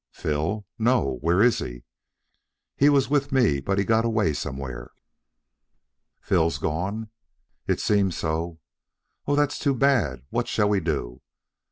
"Phil? No. Where is he?" "He was with me, but he got away somewhere." "Phil gone?" "It seems so." "Oh, that's too bad. What shall we do?"